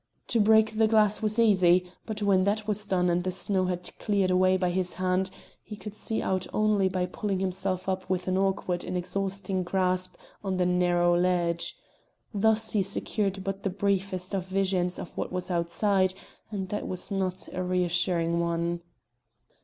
To break the glass was easy, but when that was done and the snow was cleared away by his hand, he could see out only by pulling himself up with an awkward and exhausting grasp on the narrow ledge. Thus he secured but the briefest of visions of what was outside, and that was not a reassuring one.